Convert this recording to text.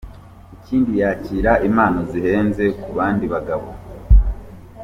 Ikindi yakira impano zihenze ku bandi bagabo.